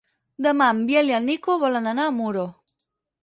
Demà en Biel i en Nico volen anar a Muro.